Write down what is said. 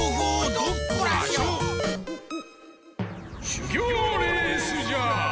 しゅぎょうレースじゃ！